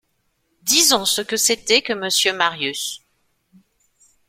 Disons ce que c’était que monsieur Marius.